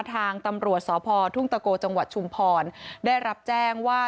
ทางตำรวจสพทุ่งตะโกจังหวัดชุมพรได้รับแจ้งว่า